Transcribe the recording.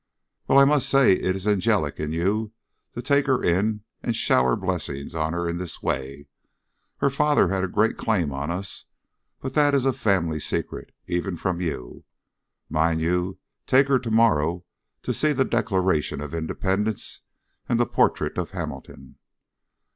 "Well, I must say it is angelic in you to take her in and shower blessings on her in this way " "Her father had a great claim on us, but that is a family secret, even from you. Mind you take her tomorrow to see the 'Declaration of Independence' and the portrait of Hamilton."